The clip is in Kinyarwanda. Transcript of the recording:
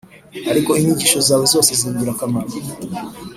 ariko inyigisho zawe zose zingirakamaro